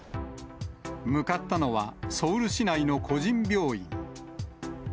向かったのは、ソウル市内の個人病院。